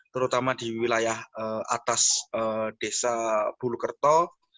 terutama di wilayah atas desa bulukerto